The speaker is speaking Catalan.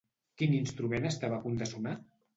Quin instrument estava a punt de sonar?